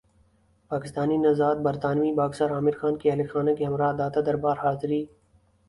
پاکستانی نژادبرطانوی باکسر عامر خان کی اہل خانہ کےہمراہ داتادربار حاضری